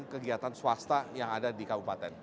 kegiatan swasta yang ada di kabupaten